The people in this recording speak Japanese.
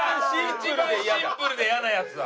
一番シンプルで嫌なやつだ。